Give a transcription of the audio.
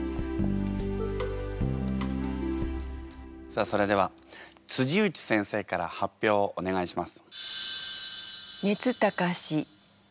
さあそれでは内先生から発表お願いします。